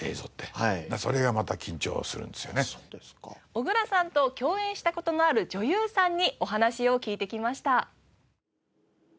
小倉さんと共演した事のある女優さんにお話を聞いてきました。